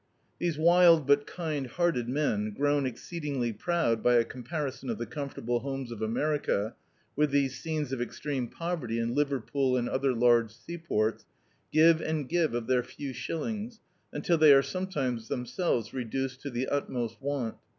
These wild, but kind hearted men, grown exceed ingly proud by a comparison of the comfortable homes of America with these scenes of extreme pov erty in Liverpool and other large sea ports, give and give of their few shillings, until they are them selves reduced to the utmost want.